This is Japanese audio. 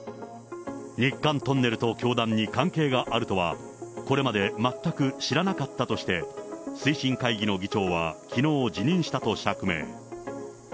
日韓トンネルと教団に関係があるとは、これまで全く知らなかったとして、推進会議の議長はきのう辞任したと釈明。